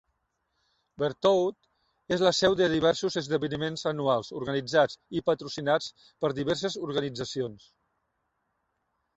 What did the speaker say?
Berthoud és la seu de diversos esdeveniments anuals organitzats i patrocinats per diverses organitzacions.